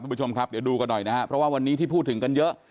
ผู้ชมครับเดี๋ยวดูกันหน่อยนะครับเพราะว่าวันนี้ที่พูดถึงกันเยอะ